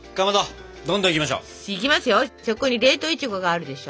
そこに冷凍いちごがあるでしょ？